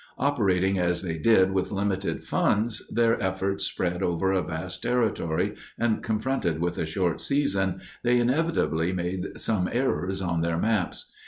Operating as they did with limited funds, their efforts spread over a vast territory, and confronted with a short season, they inevitably made some errors on their maps.